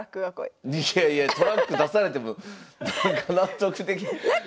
いやいやトラック出されても納得できへん。